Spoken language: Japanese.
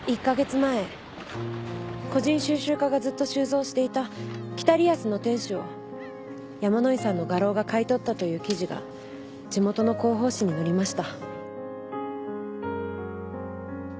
前個人収集家がずっと収蔵していた『北リアスの天使』を山井さんの画廊が買い取ったという記事が地元の広報誌に載りました。